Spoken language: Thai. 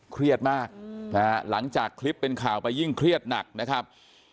เครียดมากนะฮะหลังจากคลิปเป็นข่าวไปยิ่งเครียดหนักนะครับ